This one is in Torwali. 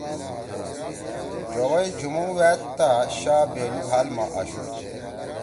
جوَئی جُھومُو وأد تا شا بألُوک حال ما آشُوڑ تُھو۔